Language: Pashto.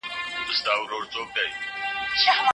که توبه وباسې نو ګناهونه دې بخښل کیږي.